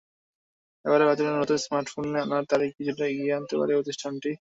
এবারে বাজারে নতুন স্মার্টফোন আনার তারিখ কিছুটা এগিয়ে আনতে পারে প্রতিষ্ঠানটি।